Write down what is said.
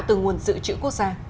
từ nguồn dự trữ quốc gia